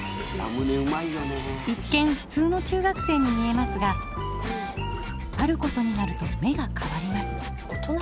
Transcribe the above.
一見ふつうの中学生に見えますがあることになると目が変わります。